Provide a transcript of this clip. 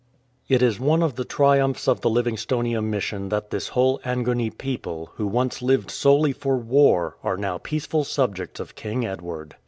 It is one of the triumphs of the Livingstonia Mission that this whole Angoni people, who once lived solely for war, are now peaceful subjects of King Edward.